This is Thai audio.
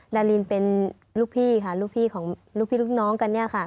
ดารินเป็นลูกพี่ของลูกพี่ลูกน้องกันนี่ค่ะ